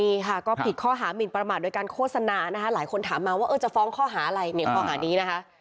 นี่ค่ะก็ผิดข้อหามินประมาทโดยการโฆษณานะคะหลายคนถามมาว่าเออจะฟ้องข้อหาอะไรเนี่ยข้อหานี้นะคะ